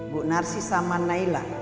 bu narsi sama naila